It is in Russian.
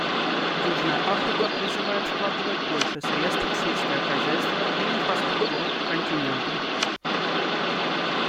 Южная Африка призывает вкладывать больше средств в сельское хозяйство и инфраструктуру континента.